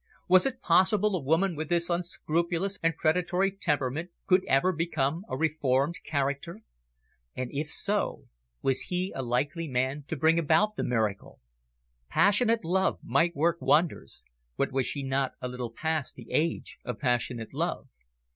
Was it possible a woman with this unscrupulous and predatory temperament could ever become a reformed character? And, if so, was he a likely man to bring about the miracle? Passionate love might work wonders, but was she not a little past the age of passionate love?